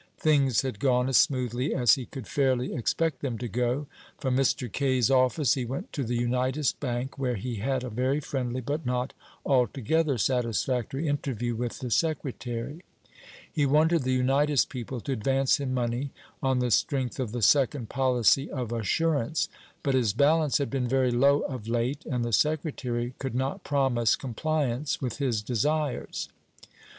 Things had gone as smoothly as he could fairly expect them to go. From Mr. Kaye's office he went to the Unitas Bank, where he had a very friendly, but not altogether satisfactory, interview with the secretary. He wanted the Unitas people to advance him money on the strength of the second policy of assurance; but his balance had been very low of late, and the secretary could not promise compliance with his desires.